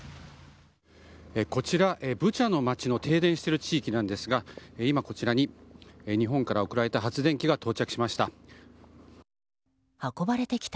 こちら、ブチャの街の停電している地域なんですが今、こちらに日本から送られた発電機が到着しました。